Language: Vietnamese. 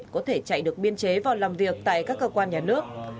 có thể chạy được biên chế vào làm việc tại các cơ quan nhà nước